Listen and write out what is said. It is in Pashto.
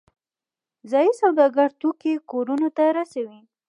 ځایی سوداګر توکي کورونو ته رسوي